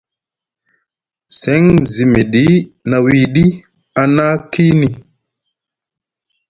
Seŋ zi miɗi na wiiɗi a na kiini.